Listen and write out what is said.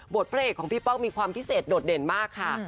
พระเอกของพี่ป้องมีความพิเศษโดดเด่นมากค่ะ